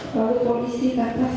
lalu polisi tak pas